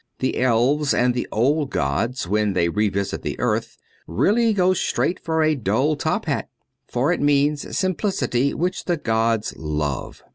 The elves and the old gods when they revisit the earth really go straight for a dull top hat. For it means simplicity, which the gods love.